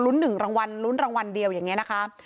๑รางวัลลุ้นรางวัลเดียวอย่างนี้นะคะ